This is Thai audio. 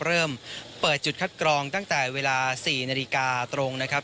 เริ่มเปิดจุดคัดกรองตั้งแต่เวลา๔นาฬิกาตรงนะครับ